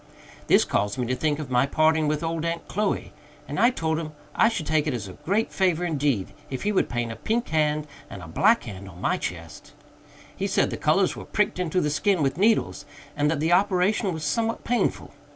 This caused me to think of my parting with old Aunt Chloe, and I told him I should take it as a great favor indeed if he would paint a pink hand and a black hand on my chest. He said the colors were pricked into the skin with needles, and that the operation was somewhat painful.